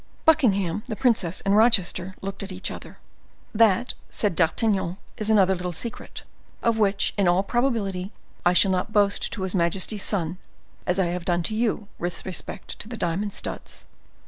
Buckingham, the princess, and Rochester looked at each other. "That," said D'Artagnan, "is another little secret, of which, in all probability, I shall not boast to his majesty's son, as I have done to you with respect to the diamond studs."